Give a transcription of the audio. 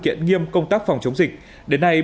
kiện nghiêm công tác phòng chống dịch